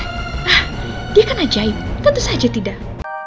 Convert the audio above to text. nah dia kan ajaib tentu saja tidak